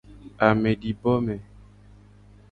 Amedibome.